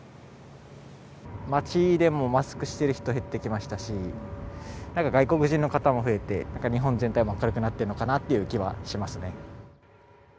街でもマスクしてる人、減ってきましたし、なんか外国人の方も増えて、なんか日本全体も明るくなってるのかなという気はしますね。